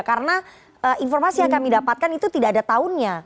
karena informasi yang kami dapatkan itu tidak ada tahunnya